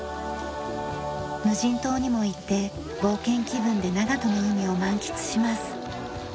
無人島にも行って冒険気分で長門の海を満喫します。